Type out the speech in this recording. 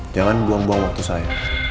jangan buang buang waktu saya